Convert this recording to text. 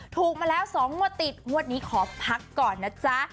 ถูกมาแล้ว๒งวดติดงวดนี้ขอพักก่อนนะจ๊ะ